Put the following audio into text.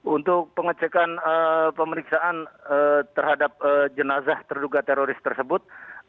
untuk pengecekan pemeriksaan terhadap jenazah terduga teroris tersebut